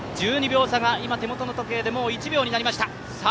１２秒差が今、手元の時計でもう１秒になりました。